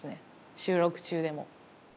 収録中でも。